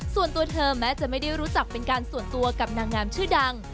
ส่วนตัวเธอแม้จะไม่ได้รู้จักเป็นการส่วนตัวกับนางงามชื่อดัง